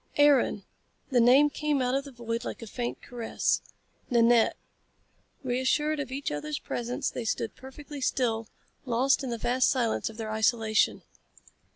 "Aaron!" The name came out of the void like a faint caress. "Nanette." Reassured of each other's presence they stood perfectly still, lost in the vast silence of their isolation.